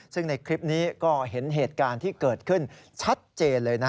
ซึ่งในคลิปนี้ก็เห็นเหตุการณ์ที่เกิดขึ้นชัดเจนเลย